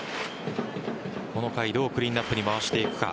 この回、どうクリーンアップに回していくか。